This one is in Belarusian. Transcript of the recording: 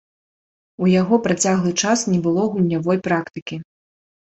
У яго працяглы час не было гульнявой практыкі.